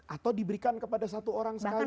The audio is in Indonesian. atau diberikan kepada satu orang sekarang